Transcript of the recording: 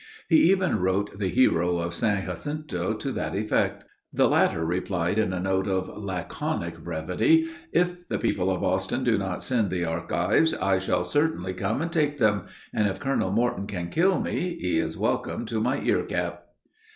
He even wrote the hero of San Jacinto to that effect. The latter replied in a note of laconic brevity: "If the people of Austin do not send the archives, I shall certainly come and take them; and if Colonel Morton can kill me, he is welcome to my ear cap."